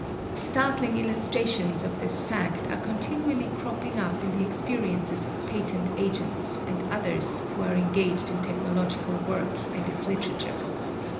Startling illustrations of this fact are continually cropping up in the experiences of patent agents and others who are engaged in technological work and its literature.